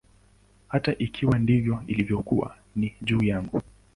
Hata ikiwa ndivyo ilivyokuwa, ni juu yangu.